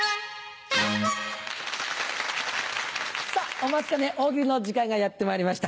お待ちかね「大喜利」の時間がやってまいりました。